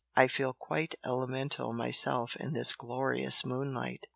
I feel quite 'elemental' myself in this glorious moonlight!